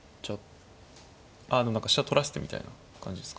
あでも何か飛車取らせてみたいな感じですか。